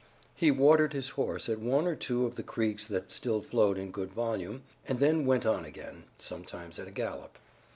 He watered his horse at one or two of the creeks that still flowed in good volume, and then went on again, sometimes at a gallop.